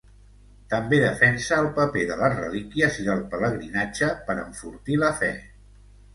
També defensa el paper de les relíquies i del pelegrinatge per enfortir la fe.